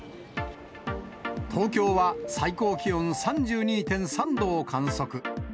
東京は最高気温３２．３度を観測。